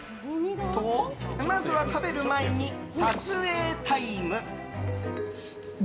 と、まずは食べる前に撮影タイム。